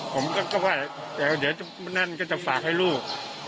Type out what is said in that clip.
ผมก็ว่าเดี๋ยวนั่นก็จะฝากให้ลูก